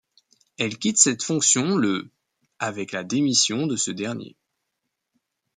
Elle quitte cette fonction le avec la démission de ce dernier.